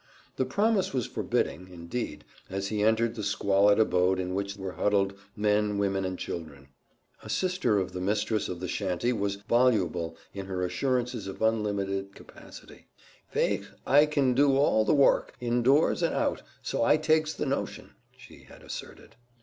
The promise was forbidding, indeed, as he entered the squalid abode in which were huddled men, women, and children. A sister of the mistress of the shanty was voluble in her assurances of unlimited capability. "Faix I kin do all the wourk, in doors and out, so I takes the notion," she had asserted.